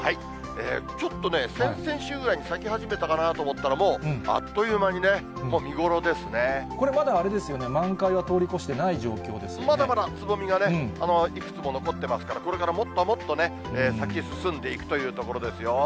ちょっとね、先々週ぐらいに咲き始めたかなと思ったら、もうあっという間にね、もう見頃これまだあれですよね、まだまだ、つぼみがね、いくつも残ってますから、これからもっともっとね、咲き進んでいくというところですよ。